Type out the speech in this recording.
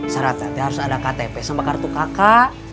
sarat datang harus ada ktp sama kartu kakak